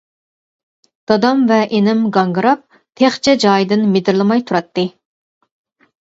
دادام ۋە ئىنىم گاڭگىراپ، تېخىچە جايىدىن مىدىرلىماي تۇراتتى.